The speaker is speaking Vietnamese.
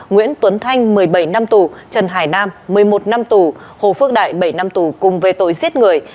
nguyễn tuấn thanh một mươi bảy năm tù trần hải nam một mươi một năm tù hồ phước đại bảy năm tù cùng về tội giết người